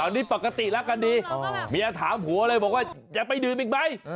นี่ปกติรักกันดีเมียถามผัวเลยบอกว่าอย่าไปดื่มอีกไหม